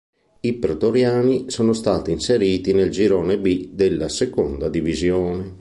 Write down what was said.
I Pretoriani sono stati inseriti nel Girone B della Seconda Divisione.